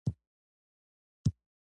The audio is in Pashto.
مندل د وراثت پلار دی